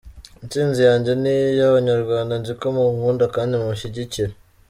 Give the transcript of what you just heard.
Instinzi yanjye ni iy'abanyarwanda nziko munkunda kandi munshyigikira.